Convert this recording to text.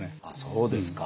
そうですか。